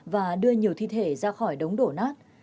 và đưa nhiều thi thể ra khỏi đống đổ nát